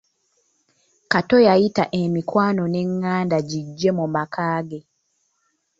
Kato yayita emikwano n'enganda gijje mu maka ge.